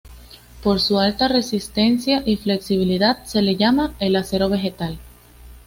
Por su alta resistencia y flexibilidad se le llama "el acero vegetal".